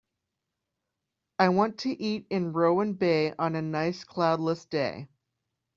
I want to eat in Rowan Bay on a nice cloud less day